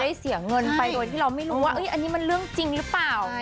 เสียเงินไปโดยที่เราไม่รู้ว่าอันนี้มันเรื่องจริงหรือเปล่า